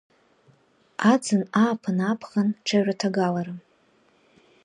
Аӡын, ааԥын, аԥхын, ҽаҩраҭагалара…